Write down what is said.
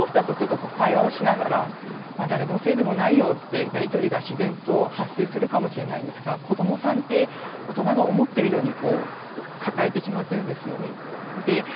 大人同士だと会話をしながら誰のせいでもないよというやり取りが自然に発生するかもしれませんが子どもさんは大人が思っている以上に抱えてしまっているんですよね。